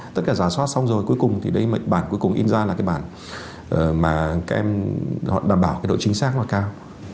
tất cả giả soát xong rồi cuối cùng thì đây bản cuối cùng in ra là cái bản mà các em đảm bảo độ chính xác nó cao